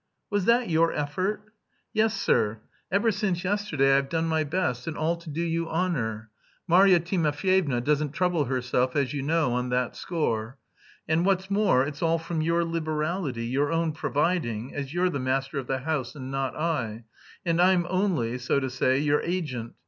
"Was that your effort?" "Yes, sir. Ever since yesterday I've done my best, and all to do you honour.... Marya Timofyevna doesn't trouble herself, as you know, on that score. And what's more its all from your liberality, your own providing, as you're the master of the house and not I, and I'm only, so to say, your agent.